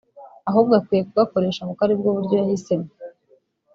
ahubwo akwiye kugakoresha kuko aribwo buryo yahisemo”